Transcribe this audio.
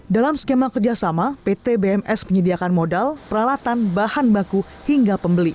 dalam skema kerjasama pt bms menyediakan modal peralatan bahan baku hingga pembeli